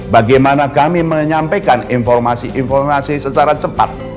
bagaimana kami menyampaikan informasi informasi secara cepat